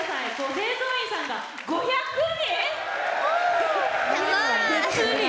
清掃員さんが５００人！